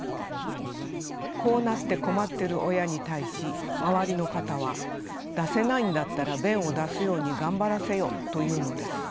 こうなって困ってる親に対し周りの方は出せないんだったら便を出すように頑張らせよと言うのです。